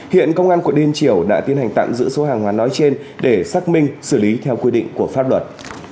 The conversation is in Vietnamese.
hiện công an quận liên triều đã tiến hành tạm giữ số hàng hóa nói trên để xác minh xử lý theo quy định của pháp luật